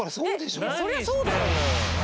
そりゃそうだよ！